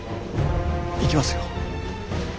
行きますよ。